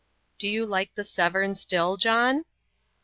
"Do you like Severn still, John?"